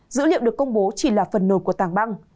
dữ liệu được công bố chỉ là phần nồi của tàng băng